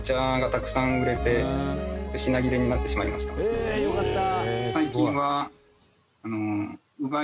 へえよかった。